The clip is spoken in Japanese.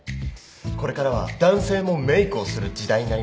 これからは男性もメークをする時代になります。